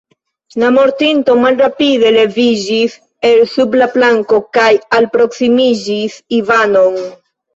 La mortinto malrapide leviĝis el sub la planko kaj alproksimiĝis Ivanon.